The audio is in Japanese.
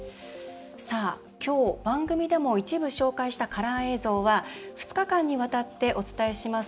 今日、番組でも一部紹介したカラー映像は２日間にわたってお伝えします